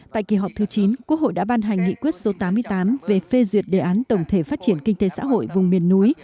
tại kỳ họp thứ chín quốc hội đã ban hành nghị quyết số tám mươi tám về phê duyệt đề án tổng thể phát triển kinh tế xã hội vùng miền núi